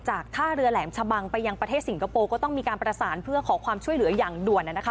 ท่าเรือแหลมชะบังไปยังประเทศสิงคโปร์ก็ต้องมีการประสานเพื่อขอความช่วยเหลืออย่างด่วนนะคะ